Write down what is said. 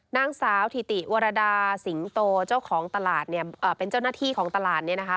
นางสาวถิติวรดาสิงโตเจ้าของตลาดเนี่ยเป็นเจ้าหน้าที่ของตลาดเนี่ยนะคะ